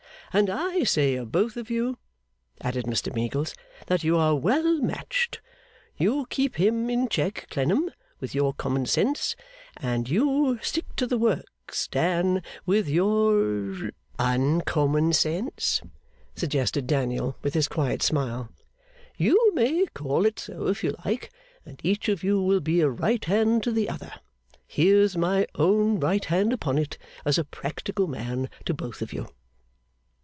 'And I say of both of you,' added Mr Meagles, 'that you are well matched. You keep him in check, Clennam, with your common sense, and you stick to the Works, Dan, with your ' 'Uncommon sense?' suggested Daniel, with his quiet smile. 'You may call it so, if you like and each of you will be a right hand to the other. Here's my own right hand upon it, as a practical man, to both of you.